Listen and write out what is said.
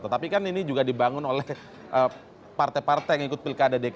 tetapi kan ini juga dibangun oleh partai partai yang ikut pilkada dki